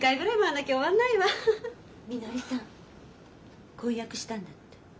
みのりさん婚約したんだって。